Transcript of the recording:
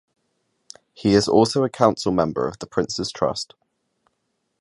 He is also a council member of The Prince's Trust.